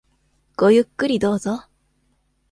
ごゆっくりどうぞ。